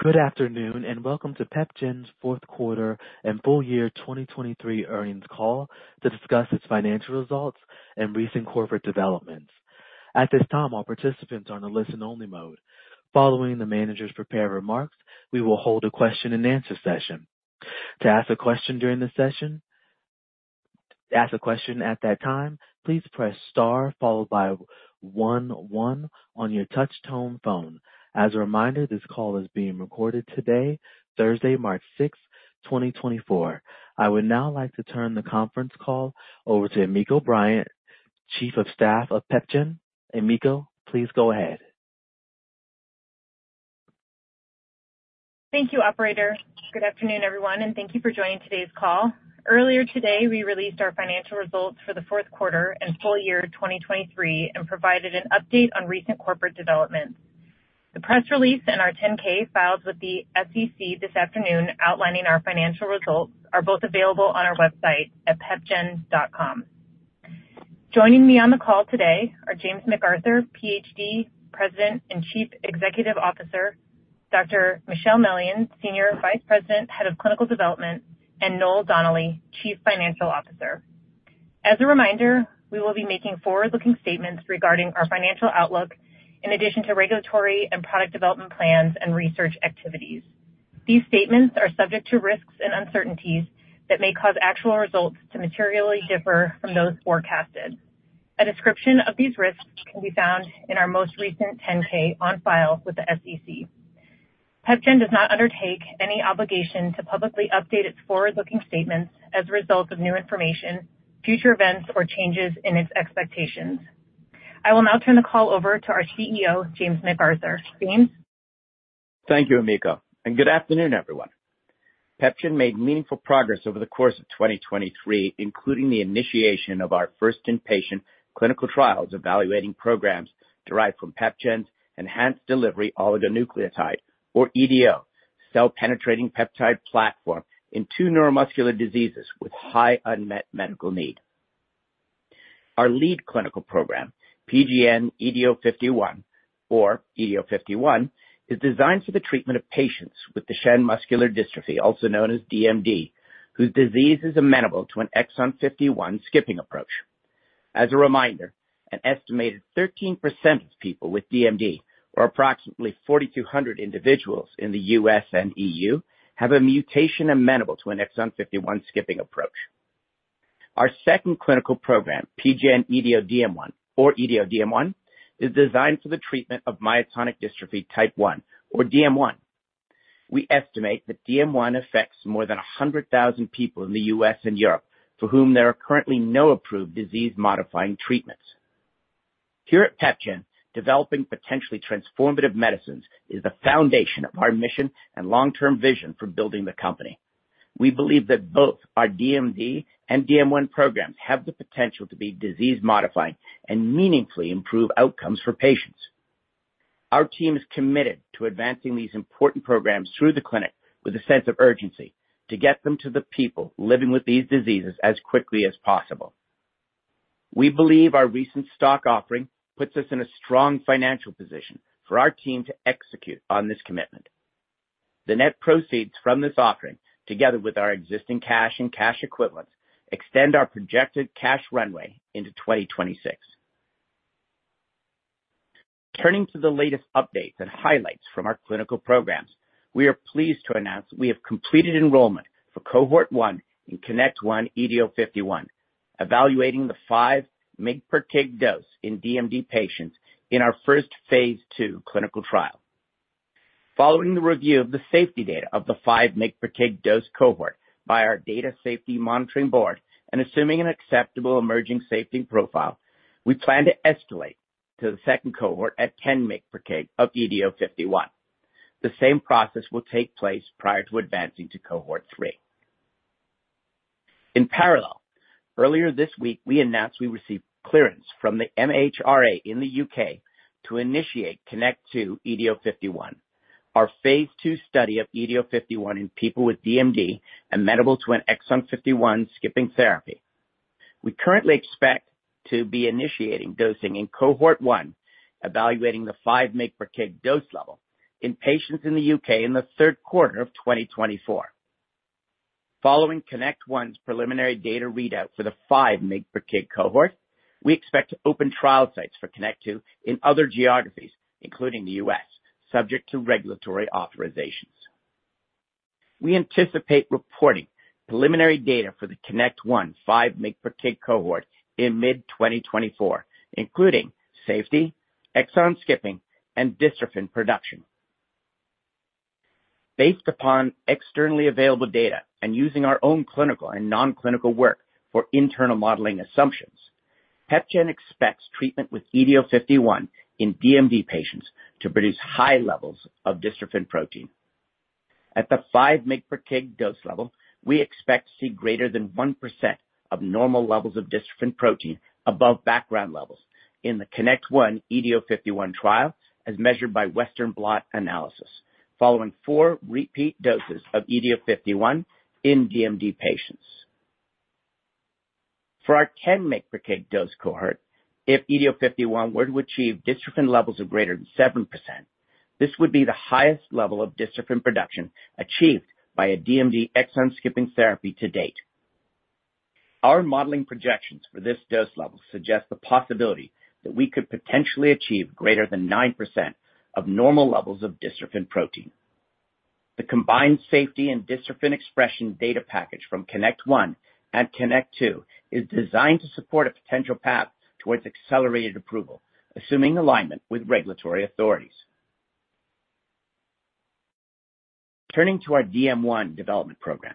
Good afternoon and welcome to PepGen's fourth quarter and full year 2023 earnings call to discuss its financial results and recent corporate developments. At this time, all participants are in a listen-only mode. Following the management's prepared remarks, we will hold a question-and-answer session. To ask a question during the session at that time, please press star followed by 11 on your touch-tone phone. As a reminder, this call is being recorded today, Thursday, March 6, 2024. I would now like to turn the conference call over to Emiko Bryant, Chief of Staff of PepGen. Emiko, please go ahead. Thank you, operator. Good afternoon, everyone, and thank you for joining today's call. Earlier today, we released our financial results for the fourth quarter and full year 2023 and provided an update on recent corporate developments. The press release and our 10-K filed with the SEC this afternoon outlining our financial results are both available on our website at pepgen.com. Joining me on the call today are James McArthur, PhD, President and Chief Executive Officer; Dr. Michelle Mellion, Senior Vice President, Head of Clinical Development; and Noel Donnelly, Chief Financial Officer. As a reminder, we will be making forward-looking statements regarding our financial outlook in addition to regulatory and product development plans and research activities. These statements are subject to risks and uncertainties that may cause actual results to materially differ from those forecasted. A description of these risks can be found in our most recent 10-K on file with the SEC. PepGen does not undertake any obligation to publicly update its forward-looking statements as a result of new information, future events, or changes in its expectations. I will now turn the call over to our CEO, James McArthur. James? Thank you, Emiko, and good afternoon, everyone. PepGen made meaningful progress over the course of 2023, including the initiation of our first-in-patient clinical trials evaluating programs derived from PepGen's Enhanced Delivery Oligonucleotide, or EDO, cell-penetrating peptide platform in two neuromuscular diseases with high unmet medical need. Our lead clinical program, PGN-EDO51, or EDO51, is designed for the treatment of patients with Duchenne muscular dystrophy, also known as DMD, whose disease is amenable to an exon 51 skipping approach. As a reminder, an estimated 13% of people with DMD, or approximately 4,200 individuals in the U.S. and E.U., have a mutation amenable to an exon 51 skipping approach. Our second clinical program, PGN-EDODM1, or EDODM1, is designed for the treatment of myotonic dystrophy type 1, or DM1. We estimate that DM1 affects more than 100,000 people in the U.S. and Europe for whom there are currently no approved disease-modifying treatments. Here at PepGen, developing potentially transformative medicines is the foundation of our mission and long-term vision for building the company. We believe that both our DMD and DM1 programs have the potential to be disease-modifying and meaningfully improve outcomes for patients. Our team is committed to advancing these important programs through the clinic with a sense of urgency to get them to the people living with these diseases as quickly as possible. We believe our recent stock offering puts us in a strong financial position for our team to execute on this commitment. The net proceeds from this offering, together with our existing cash and cash equivalents, extend our projected cash runway into 2026. Turning to the latest updates and highlights from our clinical programs, we are pleased to announce we have completed enrollment for cohort 1 in CONNECT1-EDO51, evaluating the 5 mg/kg dose in DMD patients in our first phase 2 clinical trial. Following the review of the safety data of the 5 mg/kg dose cohort by our Data Safety Monitoring Board and assuming an acceptable emerging safety profile, we plan to escalate to the second cohort at 10 mg/kg of EDO51. The same process will take place prior to advancing to cohort 3. In parallel, earlier this week, we announced we received clearance from the MHRA in the UK to initiate CONNECT2-EDO51, our phase 2 study of EDO51 in people with DMD amenable to an exon 51 skipping therapy. We currently expect to be initiating dosing in cohort one, evaluating the 5 mg/kg dose level in patients in the U.K. in the third quarter of 2024. Following CONNECT1's preliminary data readout for the 5 mg/kg cohort, we expect to open trial sites for CONNECT1 in other geographies, including the U.S., subject to regulatory authorizations. We anticipate reporting preliminary data for the CONNECT1 5 mg/kg cohort in mid-2024, including safety, exon skipping, and dystrophin production. Based upon externally available data and using our own clinical and non-clinical work for internal modeling assumptions, PepGen expects treatment with EDO51 in DMD patients to produce high levels of dystrophin protein. At the 5 mg/kg dose level, we expect to see greater than 1% of normal levels of dystrophin protein above background levels in the CONNECT1-EDO51 trial, as measured by Western blot analysis, following four repeat doses of EDO51 in DMD patients. For our 10 mg/kg dose cohort, if EDO51 were to achieve dystrophin levels of greater than 7%, this would be the highest level of dystrophin production achieved by a DMD exon skipping therapy to date. Our modeling projections for this dose level suggest the possibility that we could potentially achieve greater than 9% of normal levels of dystrophin protein. The combined safety and dystrophin expression data package from CONNECT1 and CONNECT2 is designed to support a potential path towards accelerated approval, assuming alignment with regulatory authorities. Turning to our DM1 development program,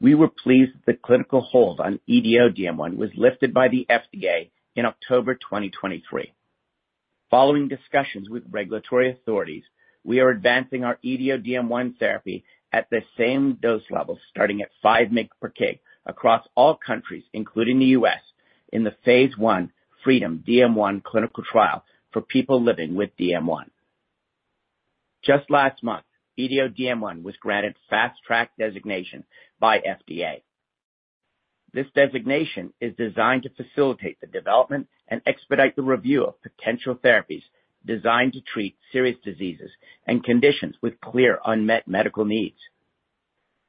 we were pleased that the clinical hold on EDODM1 was lifted by the FDA in October 2023. Following discussions with regulatory authorities, we are advancing our EDODM1 therapy at the same dose level starting at 5 mg/kg across all countries, including the U.S., in the phase 1 FREEDOM-DM1 clinical trial for people living with DM1. Just last month, EDODM1 was granted fast-track designation by FDA. This designation is designed to facilitate the development and expedite the review of potential therapies designed to treat serious diseases and conditions with clear unmet medical needs.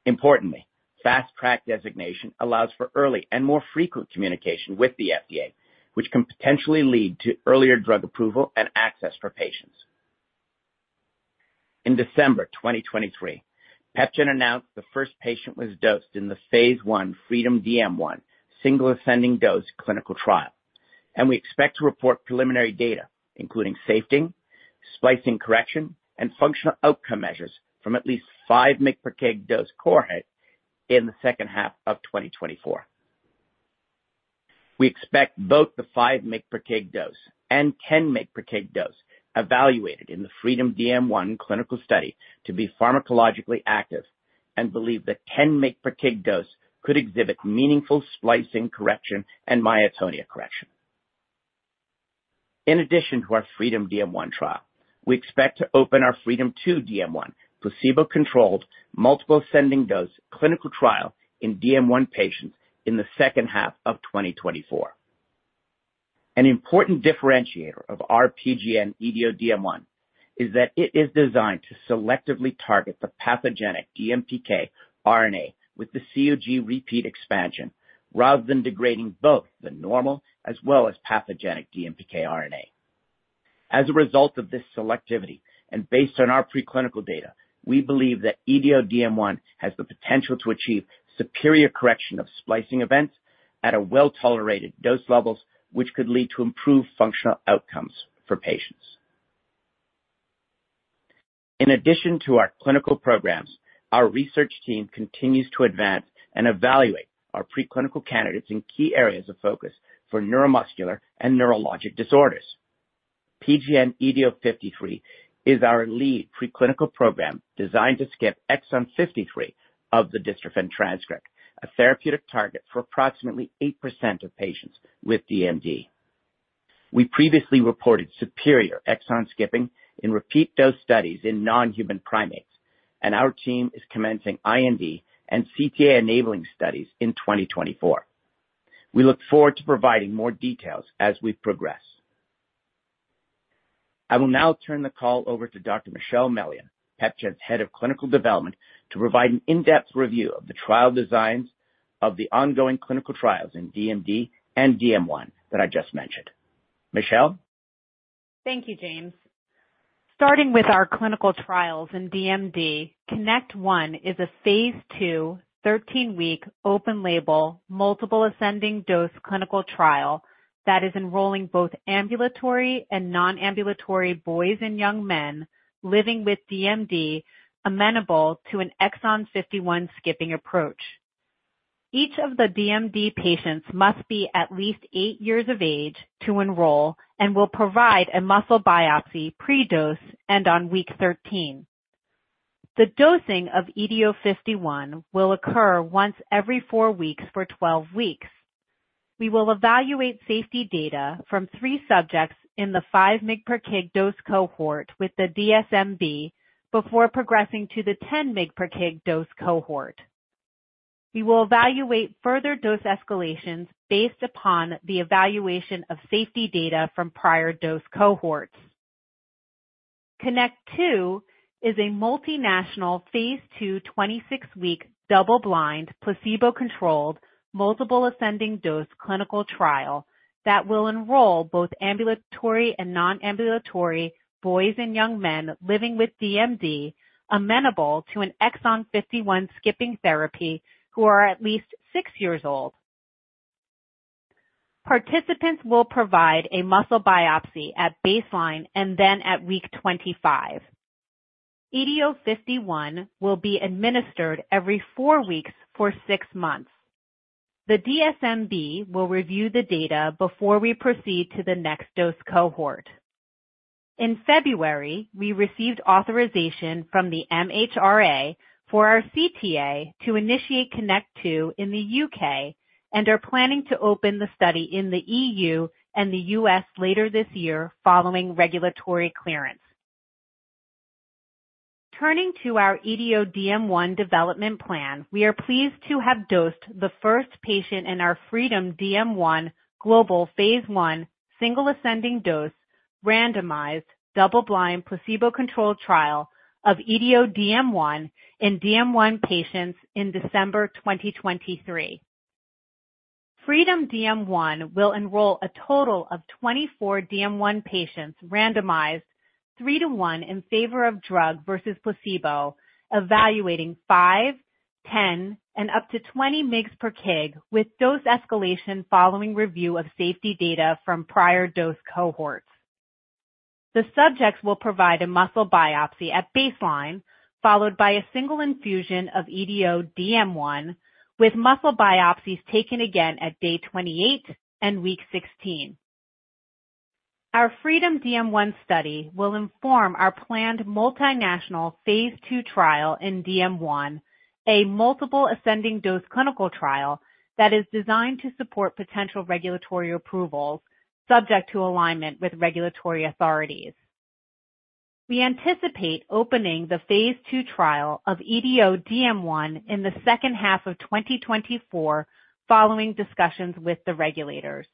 Importantly, fast-track designation allows for early and more frequent communication with the FDA, which can potentially lead to earlier drug approval and access for patients. In December 2023, PepGen announced the first patient was dosed in the phase 1 FREEDOM-DM1 single-ascending dose clinical trial, and we expect to report preliminary data, including safety, splicing correction, and functional outcome measures from at least 5 mg/kg dose cohorts in the second half of 2024. We expect both the 5 mg/kg dose and 10 mg/kg dose evaluated in the FREEDOM-DM1 clinical study to be pharmacologically active and believe that 10 mg/kg dose could exhibit meaningful splicing correction and myotonia correction. In addition to our FREEDOM-DM1 trial, we expect to open our FREEDOM2-DM1 placebo-controlled multiple-ascending dose clinical trial in DM1 patients in the second half of 2024. An important differentiator of our PGN-EDODM1 is that it is designed to selectively target the pathogenic DMPK RNA with the CUG repeat expansion rather than degrading both the normal as well as pathogenic DMPK RNA. As a result of this selectivity and based on our preclinical data, we believe that EDODM1 has the potential to achieve superior correction of splicing events at well-tolerated dose levels, which could lead to improved functional outcomes for patients. In addition to our clinical programs, our research team continues to advance and evaluate our preclinical candidates in key areas of focus for neuromuscular and neurologic disorders. PGN-EDO53 is our lead preclinical program designed to skip exon 53 of the dystrophin transcript, a therapeutic target for approximately 8% of patients with DMD. We previously reported superior exon skipping in repeat dose studies in non-human primates, and our team is commencing IND and CTA-enabling studies in 2024. We look forward to providing more details as we progress. I will now turn the call over to Dr. Michelle Mellion, PepGen's Head of Clinical Development, to provide an in-depth review of the trial designs of the ongoing clinical trials in DMD and DM1 that I just mentioned. Michelle? Thank you, James. Starting with our clinical trials in DMD, CONNECT1 is a phase 2 13-week open-label multiple-ascending dose clinical trial that is enrolling both ambulatory and non-ambulatory boys and young men living with DMD amenable to an exon 51 skipping approach. Each of the DMD patients must be at least eight years of age to enroll and will provide a muscle biopsy pre-dose and on week 13. The dosing of EDO51 will occur once every four weeks for 12 weeks. We will evaluate safety data from three subjects in the 5 mg/kg dose cohort with the DSMB before progressing to the 10 mg/kg dose cohort. We will evaluate further dose escalations based upon the evaluation of safety data from prior dose cohorts. CONNECT2 is a multinational phase 2 26-week double-blind placebo-controlled multiple-ascending dose clinical trial that will enroll both ambulatory and non-ambulatory boys and young men living with DMD amenable to an exon 51 skipping therapy who are at least 6 years old. Participants will provide a muscle biopsy at baseline and then at week 25. EDO51 will be administered every 4 weeks for 6 months. The DSMB will review the data before we proceed to the next dose cohort. In February, we received authorization from the MHRA for our CTA to initiate CONNECT2 in the U.K. and are planning to open the study in the E.U. and the U.S. later this year following regulatory clearance. Turning to our EDODM1 development plan, we are pleased to have dosed the first patient in our FREEDOM-DM1 global phase 1 single-ascending dose randomized double-blind placebo-controlled trial of EDODM1 in DM1 patients in December 2023. FREEDOM-DM1 will enroll a total of 24 DM1 patients randomized 3:1 in favor of drug versus placebo, evaluating 5, 10, and up to 20 mg/kg with dose escalation following review of safety data from prior dose cohorts. The subjects will provide a muscle biopsy at baseline followed by a single infusion of EDODM1 with muscle biopsies taken again at day 28 and week 16. Our FREEDOM-DM1 study will inform our planned multinational phase II trial in DM1, a multiple-ascending dose clinical trial that is designed to support potential regulatory approvals subject to alignment with regulatory authorities. We anticipate opening the phase II trial of EDODM1 in the second half of 2024 following discussions with the regulators.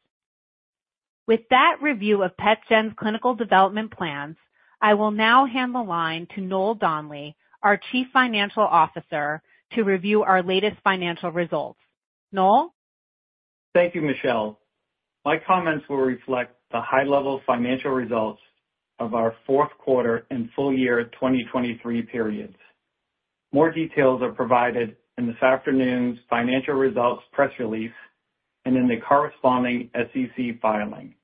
With that review of PepGen's clinical development plans, I will now hand the line to Noel Donnelly, our Chief Financial Officer, to review our latest financial results. Noel? Thank you, Michelle. My comments will reflect the high-level financial results of our fourth quarter and full year 2023 periods. More details are provided in this afternoon's financial results press release and in the corresponding SEC filing.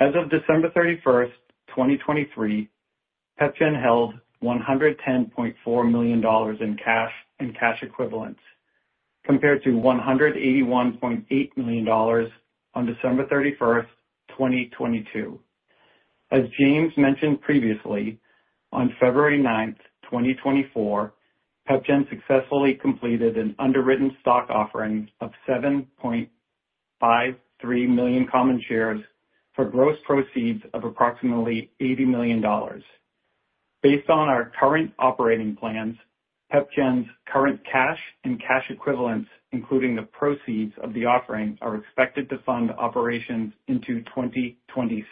As of December 31st, 2023, PepGen held $110.4 million in cash and cash equivalents compared to $181.8 million on December 31st, 2022. As James mentioned previously, on February 9th, 2024, PepGen successfully completed an underwritten stock offering of 7.53 million common shares for gross proceeds of approximately $80 million. Based on our current operating plans, PepGen's current cash and cash equivalents, including the proceeds of the offering, are expected to fund operations into 2026.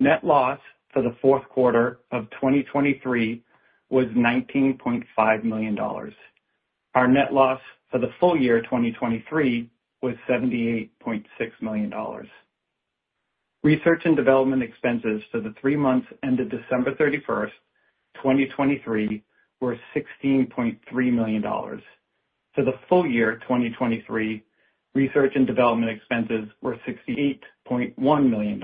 Net loss for the fourth quarter of 2023 was $19.5 million. Our net loss for the full year 2023 was $78.6 million. Research and development expenses for the three months ended December 31st, 2023, were $16.3 million. For the full year 2023, research and development expenses were $68.1 million.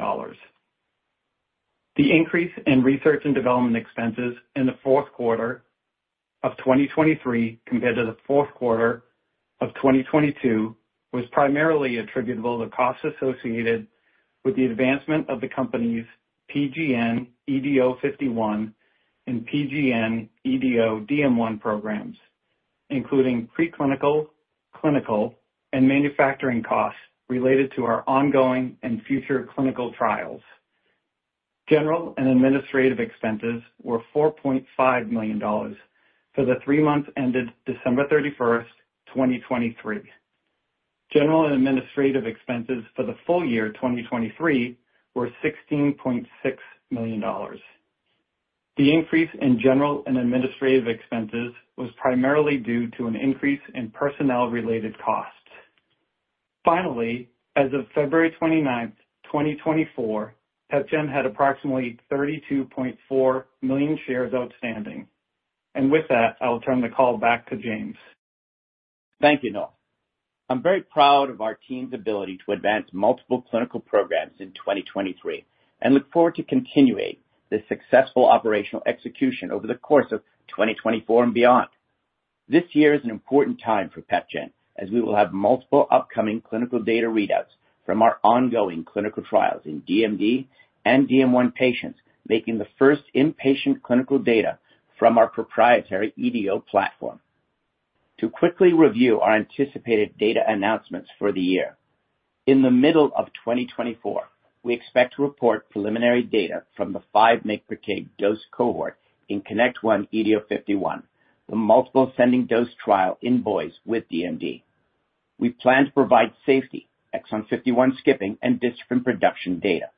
The increase in research and development expenses in the fourth quarter of 2023 compared to the fourth quarter of 2022 was primarily attributable to costs associated with the advancement of the company's PGN-EDO51 and PGN-EDODM1 programs, including preclinical, clinical, and manufacturing costs related to our ongoing and future clinical trials. General and administrative expenses were $4.5 million for the three months ended December 31st, 2023. General and administrative expenses for the full year 2023 were $16.6 million. The increase in general and administrative expenses was primarily due to an increase in personnel-related costs. Finally, as of February 29th, 2024, PepGen had approximately 32.4 million shares outstanding. With that, I will turn the call back to James. Thank you, Noel. I'm very proud of our team's ability to advance multiple clinical programs in 2023 and look forward to continuing this successful operational execution over the course of 2024 and beyond. This year is an important time for PepGen as we will have multiple upcoming clinical data readouts from our ongoing clinical trials in DMD and DM1 patients, making the first-in-patient clinical data from our proprietary EDO platform. To quickly review our anticipated data announcements for the year, in the middle of 2024, we expect to report preliminary data from the 5 mg/kg dose cohort in CONNECT1-EDO51, the multiple-ascending dose trial in boys with DMD. We plan to provide safety, exon 51 skipping, and dystrophin production data.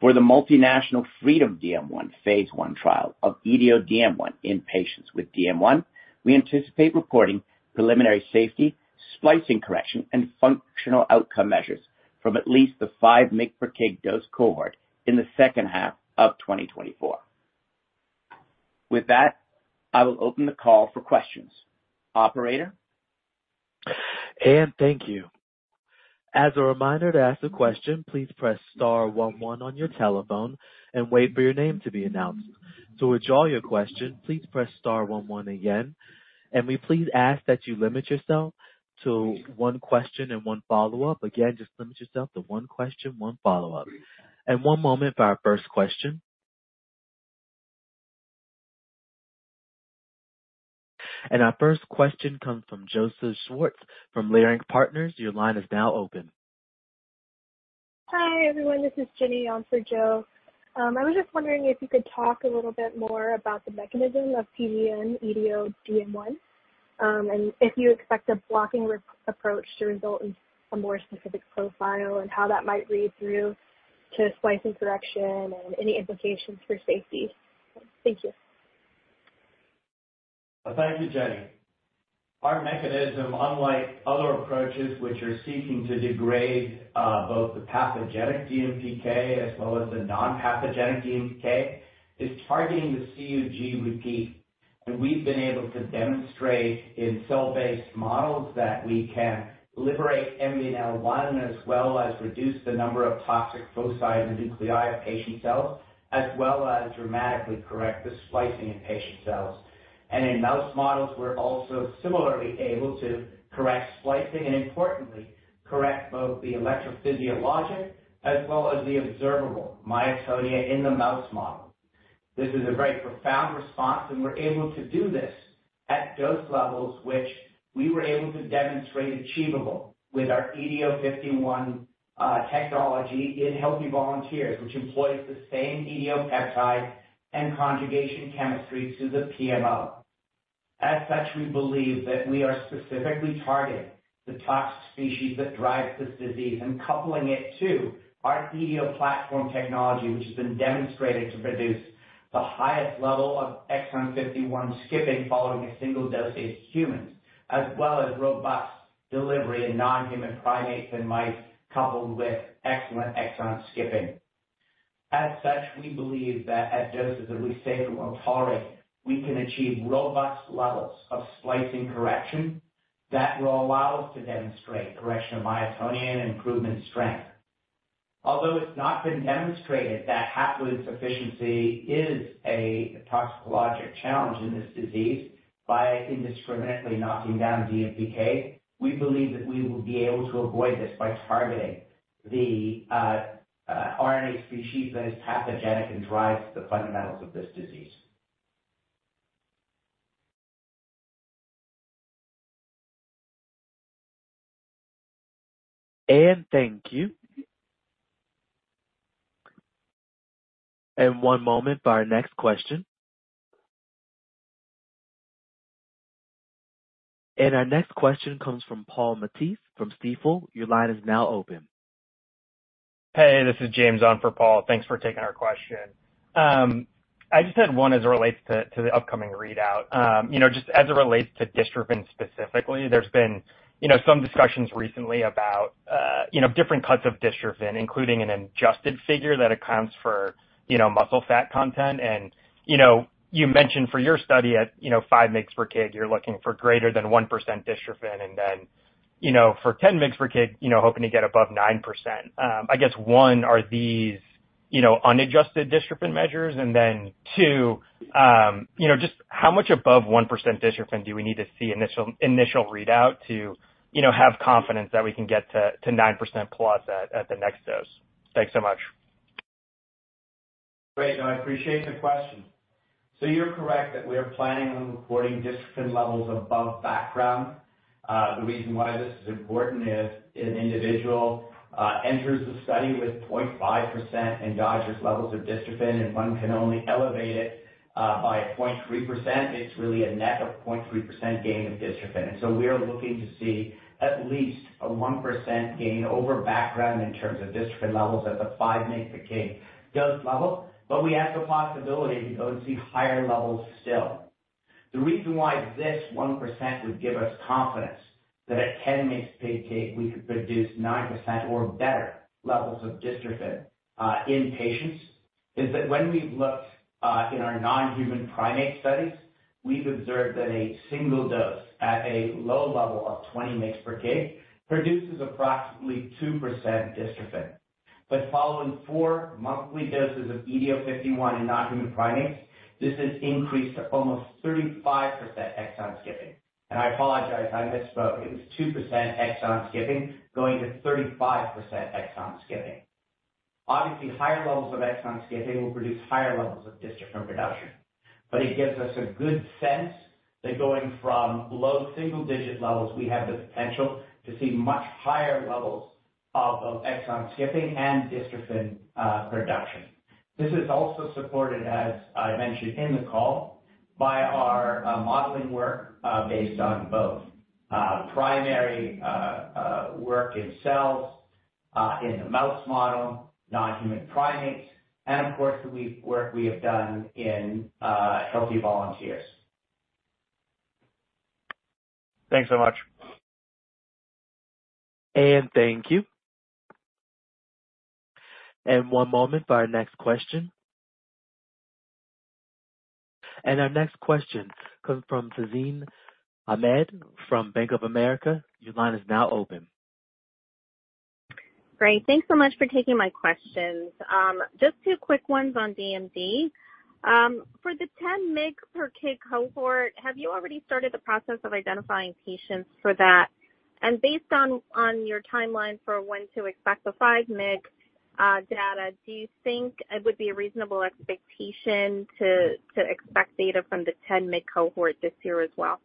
For the multinational FREEDOM-DM1 phase I trial of EDODM1 in patients with DM1, we anticipate reporting preliminary safety, splicing correction, and functional outcome measures from at least the 5 mg/kg dose cohort in the second half of 2024. With that, I will open the call for questions. Operator? Anne, thank you. As a reminder to ask a question, please press star 11 on your telephone and wait for your name to be announced. To withdraw your question, please press star 11 again. We please ask that you limit yourself to one question and one follow-up. Again, just limit yourself to one question, one follow-up. One moment for our first question. Our first question comes from Joseph Schwartz from Leerink Partners. Your line is now open. Hi, everyone. This is Jenny L. Gonzalez-Armenta for Joseph Schwartz. I was just wondering if you could talk a little bit more about the mechanism of PGN-EDODM1 and if you expect a blocking approach to result in a more specific profile and how that might read through to splicing correction and any implications for safety? Thank you. Thank you, Jenny. Our mechanism, unlike other approaches which are seeking to degrade both the pathogenic DMPK as well as the non-pathogenic DMPK, is targeting the CUG repeat. We've been able to demonstrate in cell-based models that we can liberate MBNL1 as well as reduce the number of toxic foci in the nuclei of patient cells as well as dramatically correct the splicing in patient cells. In mouse models, we're also similarly able to correct splicing and, importantly, correct both the electrophysiologic as well as the observable myotonia in the mouse model. This is a very profound response, and we're able to do this at dose levels which we were able to demonstrate achievable with our EDO51 technology in healthy volunteers, which employs the same EDO peptide and conjugation chemistry to the PMO. As such, we believe that we are specifically targeting the toxic species that drive this disease and coupling it to our EDO platform technology, which has been demonstrated to produce the highest level of exon 51 skipping following a single dose in humans as well as robust delivery in non-human primates and mice coupled with excellent exon skipping. As such, we believe that at doses that we say we'll tolerate, we can achieve robust levels of splicing correction that will allow us to demonstrate correction of myotonia and improvement in strength. Although it's not been demonstrated that haploinsufficiency is a toxicologic challenge in this disease by indiscriminately knocking down DMPK, we believe that we will be able to avoid this by targeting the RNA species that is pathogenic and drives the fundamentals of this disease. Anne, thank you. One moment for our next question. Our next question comes from Paul Matteis from Stifel. Your line is now open. Hey, this is James Shin for Paul Matteis. Thanks for taking our question. I just had one as it relates to the upcoming readout. Just as it relates to dystrophin specifically, there's been some discussions recently about different cuts of dystrophin, including an adjusted figure that accounts for muscle fat content. And you mentioned for your study at 5 mg/kg, you're looking for greater than 1% dystrophin and then for 10 mg/kg, hoping to get above 9%. I guess, one, are these unadjusted dystrophin measures? And then, two, just how much above 1% dystrophin do we need to see initial readout to have confidence that we can get to 9%+ at the next dose? Thanks so much. Great. No, I appreciate the question. So you're correct that we are planning on recording dystrophin levels above background. The reason why this is important is an individual enters the study with 0.5% endogenous levels of dystrophin, and one can only elevate it by 0.3%. It's really a net of 0.3% gain of dystrophin. And so we are looking to see at least a 1% gain over background in terms of dystrophin levels at the 5 mg/kg dose level, but we have the possibility to go and see higher levels still. The reason why this 1% would give us confidence that at 10 mg/kg, we could produce 9% or better levels of dystrophin in patients is that when we've looked in our non-human primate studies, we've observed that a single dose at a low level of 20 mg/kg produces approximately 2% dystrophin. But following four monthly doses of EDO51 in non-human primates, this has increased to almost 35% exon skipping. And I apologize. I misspoke. It was 2% exon skipping going to 35% exon skipping. Obviously, higher levels of exon skipping will produce higher levels of dystrophin production. But it gives us a good sense that going from low single-digit levels, we have the potential to see much higher levels of exon skipping and dystrophin production. This is also supported, as I mentioned in the call, by our modeling work based on both primary work in cells, in the mouse model, non-human primates, and, of course, the work we have done in healthy volunteers. Thanks so much. Anne, thank you. One moment for our next question. Our next question comes from Tazeen Ahmad from Bank of America. Your line is now open. Great. Thanks so much for taking my questions. Just two quick ones on DMD. For the 10 mg/kg cohort, have you already started the process of identifying patients for that? And based on your timeline for when to expect the 5 mg/kg data, do you think it would be a reasonable expectation to expect data from the 10 mg/kg cohort this year as well?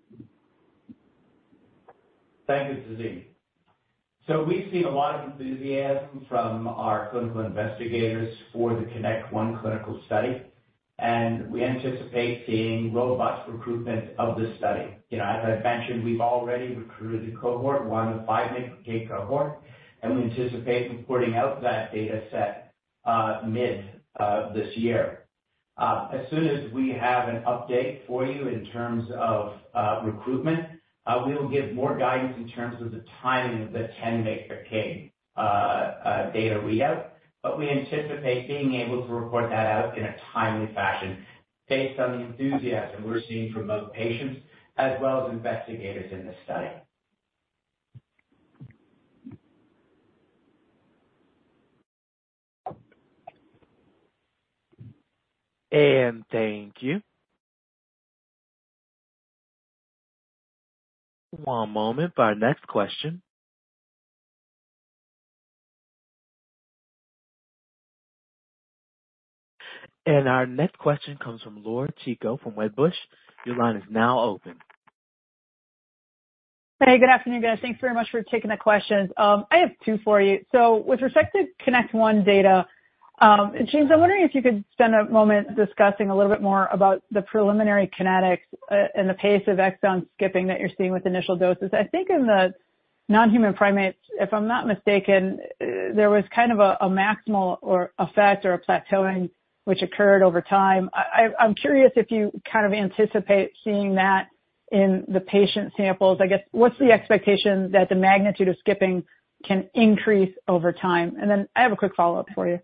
Thank you, Tazeen. So we've seen a lot of enthusiasm from our clinical investigators for the CONNECT1 clinical study, and we anticipate seeing robust recruitment of this study. As I've mentioned, we've already recruited the cohort 1, the 5 mg/kg cohort, and we anticipate reporting out that dataset mid this year. As soon as we have an update for you in terms of recruitment, we will give more guidance in terms of the timing of the 10 mg/kg data readout. But we anticipate being able to report that out in a timely fashion based on the enthusiasm we're seeing from both patients as well as investigators in this study. Anne, thank you. One moment for our next question. Our next question comes from Laura Chico from Wedbush. Your line is now open. Hey, good afternoon, guys. Thanks very much for taking the questions. I have two for you. So with respect to CONNECT1 data, James, I'm wondering if you could spend a moment discussing a little bit more about the preliminary kinetics and the pace of exon skipping that you're seeing with initial doses. I think in the non-human primates, if I'm not mistaken, there was kind of a maximal effect or a plateauing which occurred over time. I'm curious if you kind of anticipate seeing that in the patient samples. I guess, what's the expectation that the magnitude of skipping can increase over time? And then I have a quick follow-up for you.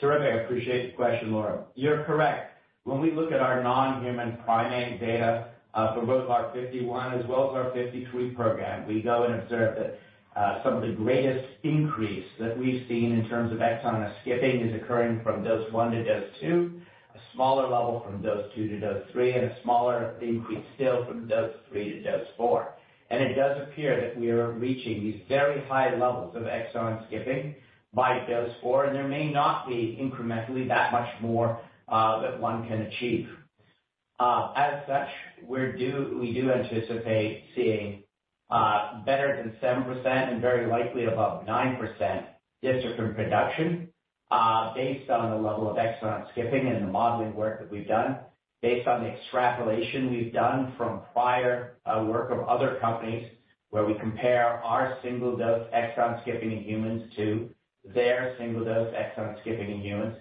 Terrific. I appreciate the question, Laura. You're correct. When we look at our non-human primate data for both our 51 as well as our 53 program, we go and observe that some of the greatest increase that we've seen in terms of exon skipping is occurring from dose 1 to dose 2, a smaller level from dose 2 to dose 3, and a smaller increase still from dose 3 to dose 4. And it does appear that we are reaching these very high levels of exon skipping by dose 4, and there may not be incrementally that much more that one can achieve. As such, we do anticipate seeing better than 7% and very likely above 9% dystrophin production based on the level of exon skipping and the modeling work that we've done, based on the extrapolation we've done from prior work of other companies where we compare our single-dose exon skipping in humans to their single-dose exon skipping in humans.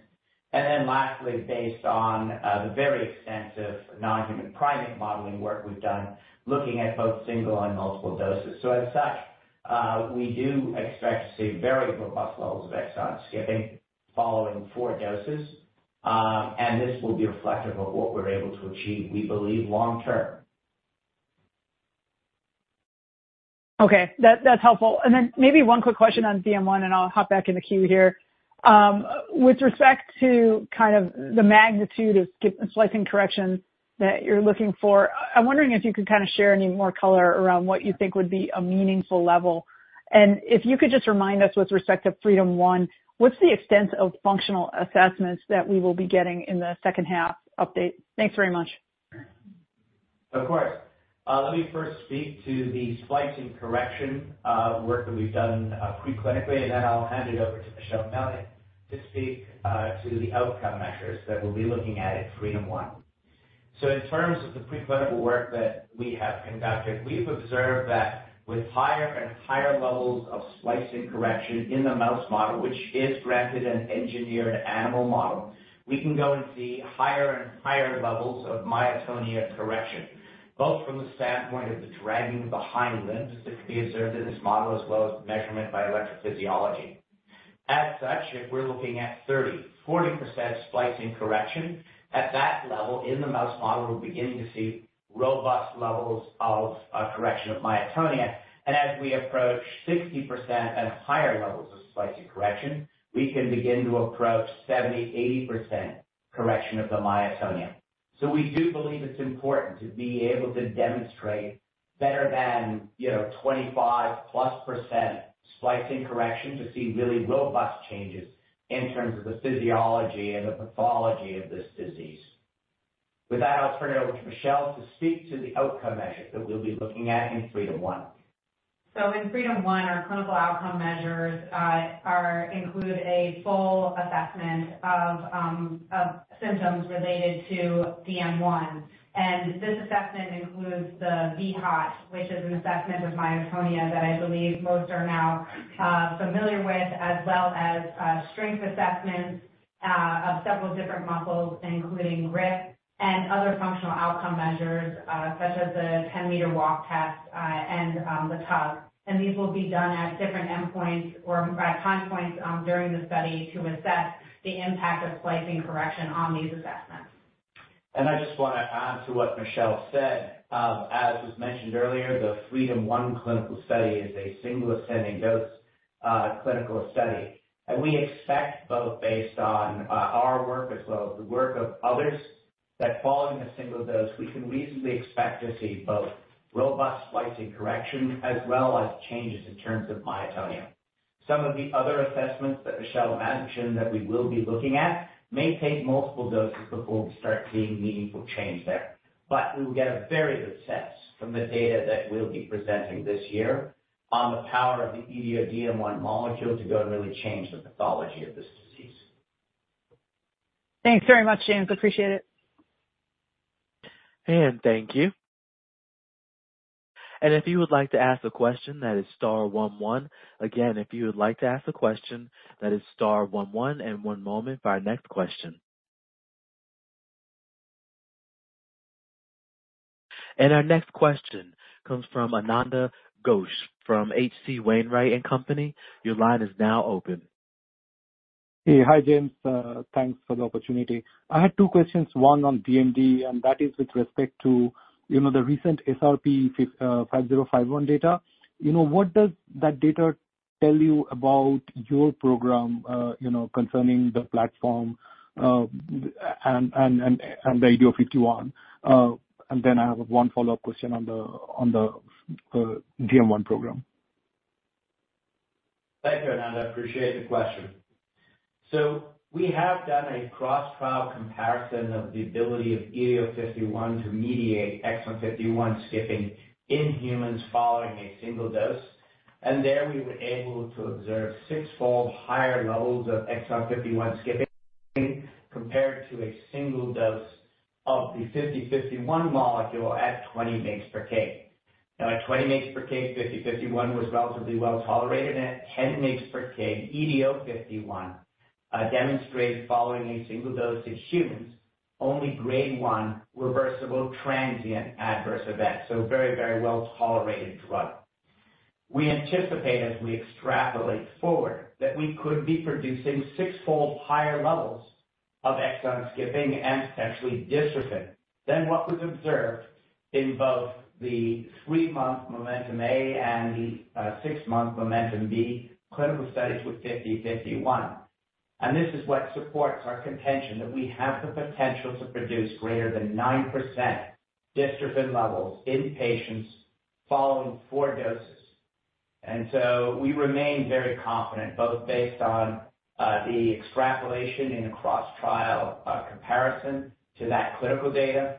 And then lastly, based on the very extensive non-human primate modeling work we've done looking at both single and multiple doses. So as such, we do expect to see very robust levels of exon skipping following 4 doses, and this will be reflective of what we're able to achieve, we believe, long term. Okay. That's helpful. And then maybe one quick question on DM1, and I'll hop back in the queue here. With respect to kind of the magnitude of splicing correction that you're looking for, I'm wondering if you could kind of share any more color around what you think would be a meaningful level. And if you could just remind us, with respect to FREEDOM-DM1, what's the extent of functional assessments that we will be getting in the second half update? Thanks very much. Of course. Let me first speak to the splicing correction work that we've done preclinically, and then I'll hand it over to Michelle Mellion to speak to the outcome measures that we'll be looking at at FREEDOM-DM1. So in terms of the preclinical work that we have conducted, we've observed that with higher and higher levels of splicing correction in the mouse model, which is granted an engineered animal model, we can go and see higher and higher levels of myotonia correction, both from the standpoint of the dragging behind limbs that can be observed in this model as well as measurement by electrophysiology. As such, if we're looking at 30%-40% splicing correction, at that level in the mouse model, we're beginning to see robust levels of correction of myotonia. As we approach 60% and higher levels of splicing correction, we can begin to approach 70%, 80% correction of the myotonia. So we do believe it's important to be able to demonstrate better than 25+% splicing correction to see really robust changes in terms of the physiology and the pathology of this disease. With that, I'll turn it over to Michelle to speak to the outcome measure that we'll be looking at in FREEDOM-DM1. In FREEDOM-DM1, our clinical outcome measures include a full assessment of symptoms related to DM1. This assessment includes the vHOT, which is an assessment of myotonia that I believe most are now familiar with, as well as strength assessments of several different muscles, including grip and other functional outcome measures such as the 10-meter walk test and the TUG. These will be done at different endpoints or at time points during the study to assess the impact of splicing correction on these assessments. I just want to add to what Michelle said. As was mentioned earlier, the FREEDOM-DM1 clinical study is a single-ascending dose clinical study. We expect, both based on our work as well as the work of others, that following a single dose, we can reasonably expect to see both robust splicing correction as well as changes in terms of myotonia. Some of the other assessments that Michelle mentioned that we will be looking at may take multiple doses before we start seeing meaningful change there. We will get a very good sense from the data that we'll be presenting this year on the power of the EDO-DM1 molecule to go and really change the pathology of this disease. Thanks very much, James. Appreciate it. Anne, thank you. If you would like to ask a question, that is star 11. Again, if you would like to ask a question, that is star 11. One moment for our next question. Our next question comes from Ananda Ghosh from H.C. Wainwright and Company. Your line is now open. Hi, James. Thanks for the opportunity. I had two questions, one on DMD, and that is with respect to the recent SRP-5051 data. What does that data tell you about your program concerning the platform and the EDO51? And then I have one follow-up question on the DM1 program. Thank you, Ananda. Appreciate the question. So we have done a cross-trial comparison of the ability of EDO51 to mediate exon 51 skipping in humans following a single dose. And there, we were able to observe six-fold higher levels of exon 51 skipping compared to a single dose of the 5051 molecule at 20 mg/kg. Now, at 20 mg/kg, 5051 was relatively well tolerated. At 10 mg/kg, EDO51 demonstrated, following a single dose in humans, only grade 1 reversible transient adverse event, so a very, very well-tolerated drug. We anticipate, as we extrapolate forward, that we could be producing six-fold higher levels of exon skipping and potentially dystrophin than what was observed in both the three-month MOMENTUM A and the six-month MOMENTUM B clinical studies with 5051. And this is what supports our contention that we have the potential to produce greater than 9% dystrophin levels in patients following 4 doses. And so we remain very confident, both based on the extrapolation in a cross-trial comparison to that clinical data,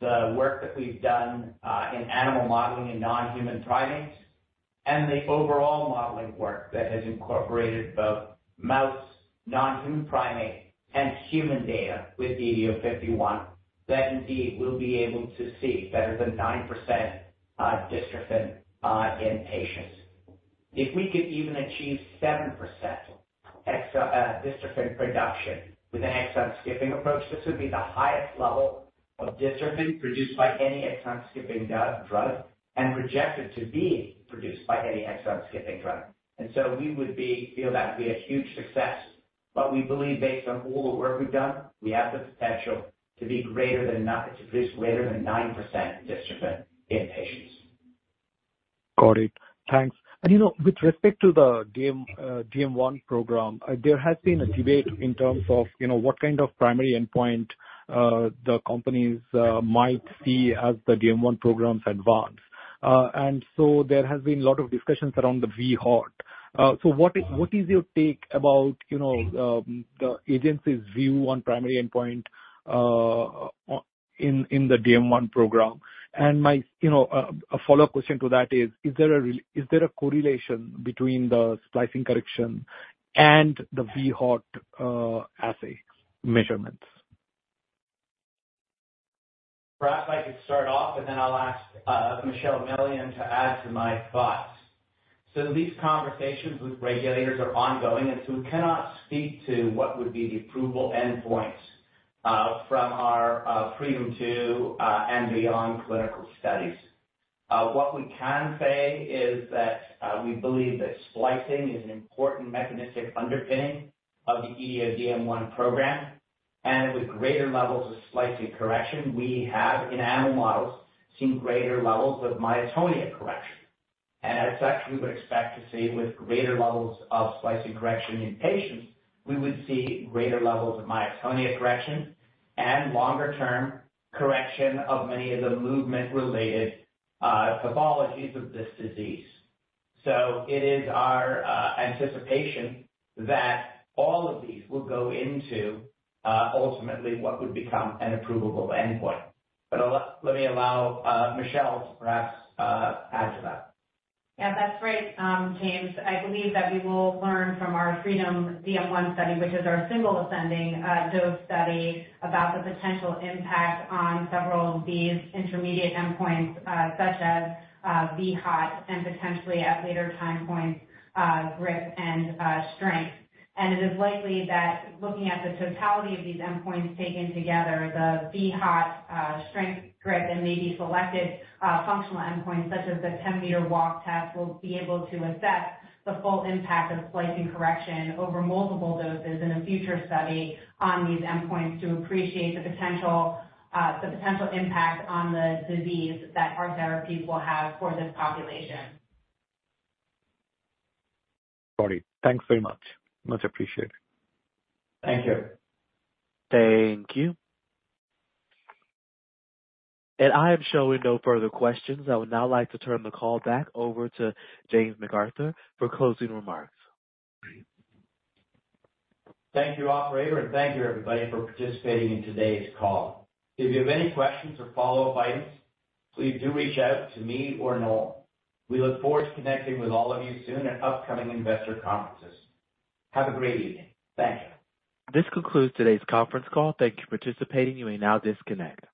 the work that we've done in animal modeling in non-human primates, and the overall modeling work that has incorporated both mouse, non-human primate, and human data with EDO51 that indeed we'll be able to see better than 9% dystrophin in patients. If we could even achieve 7% dystrophin production with an exon skipping approach, this would be the highest level of dystrophin produced by any exon skipping drug and expected to be produced by any exon skipping drug. And so we would feel that would be a huge success. We believe, based on all the work we've done, we have the potential to produce greater than 9% dystrophin in patients. Got it. Thanks. With respect to the DM1 program, there has been a debate in terms of what kind of primary endpoint the companies might see as the DM1 program's advance. So there has been a lot of discussions around the vHOT. What is your take about the agency's view on primary endpoint in the DM1 program? A follow-up question to that is, is there a correlation between the splicing correction and the vHOT assay measurements? Perhaps I could start off, and then I'll ask Michelle Mellion to add to my thoughts. So these conversations with regulators are ongoing, and so we cannot speak to what would be the approval endpoints from our Freedom2 and beyond clinical studies. What we can say is that we believe that splicing is an important mechanistic underpinning of the EDO-DM1 program. And with greater levels of splicing correction, we have, in animal models, seen greater levels of myotonia correction. And as such, we would expect to see, with greater levels of splicing correction in patients, we would see greater levels of myotonia correction and longer-term correction of many of the movement-related pathologies of this disease. So it is our anticipation that all of these will go into, ultimately, what would become an approvable endpoint. But let me allow Michelle to perhaps add to that. Yeah, that's great, James. I believe that we will learn from our FREEDOM-DM1 study, which is our single-ascending dose study, about the potential impact on several of these intermediate endpoints such as vHOT and potentially, at later time points, grip and strength. It is likely that looking at the totality of these endpoints taken together, the vHOT, strength, grip, and maybe selected functional endpoints such as the 10-meter walk test will be able to assess the full impact of splicing correction over multiple doses in a future study on these endpoints to appreciate the potential impact on the disease that our therapies will have for this population. Got it. Thanks very much. Much appreciated. Thank you. Thank you. I am showing no further questions. I would now like to turn the call back over to James McArthur for closing remarks. Thank you, operator, and thank you, everybody, for participating in today's call. If you have any questions or follow-up items, please do reach out to me or Noel. We look forward to connecting with all of you soon at upcoming investor conferences. Have a great evening. Thank you. This concludes today's conference call. Thank you for participating. You may now disconnect.